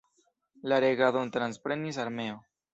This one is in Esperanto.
La regadon transprenis armeo.